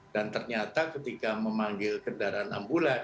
dan ternyata ketika memanggil kendaraan ambulan